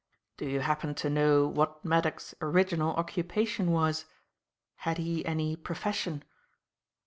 Do you happen to know what Maddock's original occupation was? Had he any profession?"